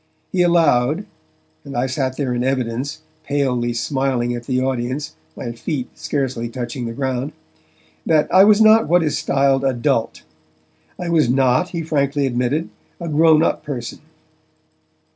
He allowed and I sat there in evidence, palely smiling at the audience, my feet scarcely touching the ground that I was not what is styled adult; I was not, he frankly admitted, a grown up person.